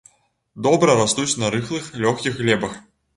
Добра растуць на рыхлых лёгкіх глебах.